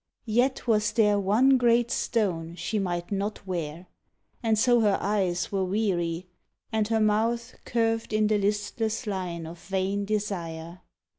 Yet was there one great stone she might not wear, And so her eyes were weary, and her mouth Curved in the listless line of vain desire.